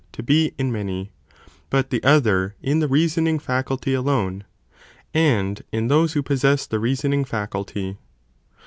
to be in many, but the other in the reasoning faculty alone, and in those who possess the reasoning faculty.